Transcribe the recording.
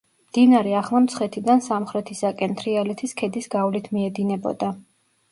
მდინარე ახლა მცხეთიდან სამხრეთისაკენ, თრიალეთის ქედის გავლით მიედინებოდა.